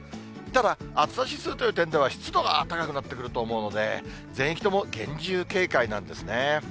ただ、暑さ指数という点では、湿度が高くなってくると思うので、全域とも厳重警戒なんですね。